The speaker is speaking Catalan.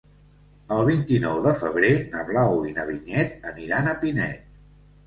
El vint-i-nou de febrer na Blau i na Vinyet aniran a Pinet.